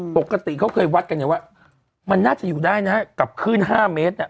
ปกติเขาเคยวัดกันไงว่ามันน่าจะอยู่ได้นะกับคลื่น๕เมตร